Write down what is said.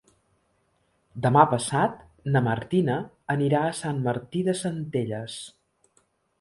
Demà passat na Martina anirà a Sant Martí de Centelles.